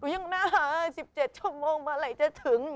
ยังน่าหา๑๗ชั่วโมงเมื่อไหร่จะถึง